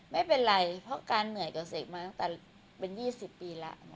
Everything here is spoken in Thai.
ไม่เป็นไรเพราะการเหนื่อยกับเสกมาตั้งแต่เป็น๒๐ปีแล้ว